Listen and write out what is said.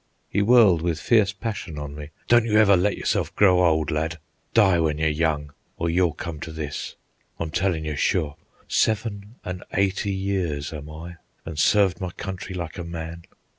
He whirled with fierce passion on me: "Don't you ever let yourself grow old, lad. Die when you're young, or you'll come to this. I'm tellin' you sure. Seven an' eighty years am I, an' served my country like a man.